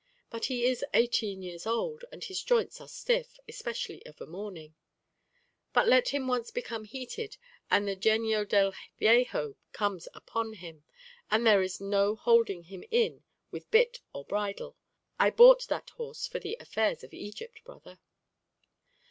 But he is eighteen years old, and his joints are stiff, especially of a morning; but let him once become heated, and the genio del viejo comes upon him, and there is no holding him in with bit or bridle. I bought that horse for the affairs of Egypt, brother."